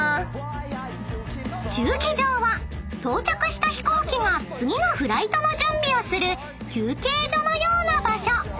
［駐機場は到着した飛行機が次のフライトの準備をする休憩所のような場所］